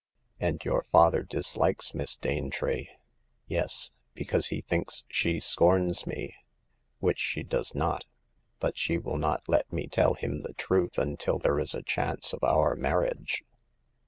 " And your father dislikes Miss Danetree." " Yes, because he thinks she scorris ma— ^Kvcbw JO 146 Hagar of the Pawn Shop. she does not. But she will not let me tell him the truth until there is a chance of our marriage."